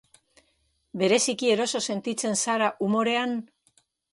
Bereziki eroso sentitzen zara umorean?